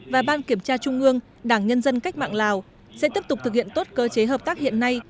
và ban kiểm tra trung ương đảng nhân dân cách mạng lào sẽ tiếp tục thực hiện tốt cơ chế hợp tác hiện nay